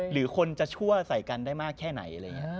หรือคนจะชั่วใส่กันได้มากแค่ไหนอะไรอย่างนี้